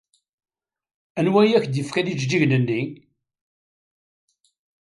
Anwa i ak-d-yefkan ijeǧǧigen-nni?